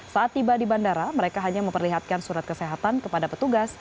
saat tiba di bandara mereka hanya memperlihatkan surat kesehatan kepada petugas